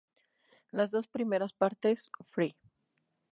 Las dos primeras partes, "Free!